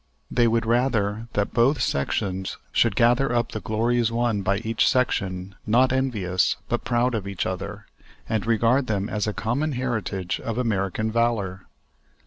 They would rather that both sections should gather up the glories won by each section, not envious, but proud of each other, and regard them as a common heritage of American valor.